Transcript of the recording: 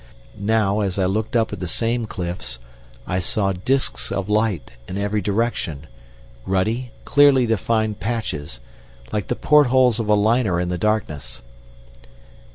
Now, as I looked up at the same cliffs, I saw discs of light in every direction, ruddy, clearly defined patches, like the port holes of a liner in the darkness.